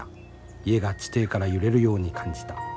家が地底から揺れるように感じた。